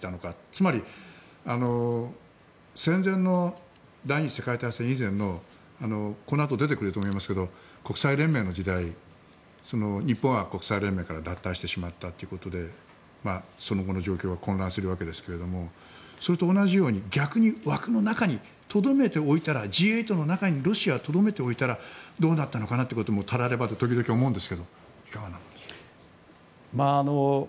つまり第２次世界大戦以前のこのあと出てくると思いますが国際連盟の時代日本は国際連盟から脱退してしまったということでその後の状況は混乱するわけですけれどもそれと同じようにＧ８の中にロシアをとどめておいたらどうなったのかなということもたらればで時々思うんですがどうでしょうか。